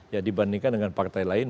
ya dibandingkan dengan partai lain